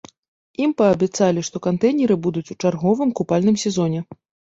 Ім паабяцалі, што кантэйнеры будуць у чарговым купальным сезоне.